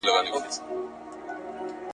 دا واقعه د تاریخ په پاڼو کې د تل لپاره ثبت شوه.